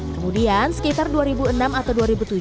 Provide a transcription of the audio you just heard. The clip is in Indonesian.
kemudian sekitar dua ribu enam atau dua ribu tujuh